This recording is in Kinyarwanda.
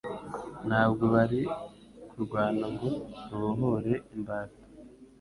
Ntabwo bari kurwana ngo babohore imbata